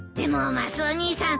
マスオ兄さん